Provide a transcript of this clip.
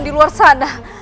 di luar sana